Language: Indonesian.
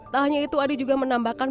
tak hanya itu adi juga menambahkan